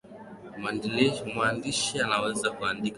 mwandishi anaweza kuandika hati yake vizuri sana